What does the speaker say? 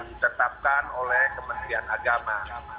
ditetapkan oleh kementerian agama